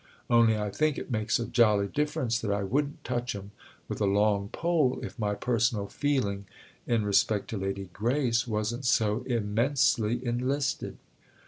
Only I think it makes a jolly difference that I wouldn't touch 'em with a long pole if my personal feeling—in respect to Lady Grace—wasn't so immensely enlisted."